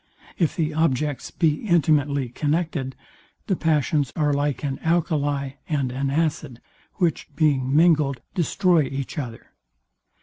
If the objects be intimately connected, the passions are like an alcali and an acid, which, being mingled, destroy each other.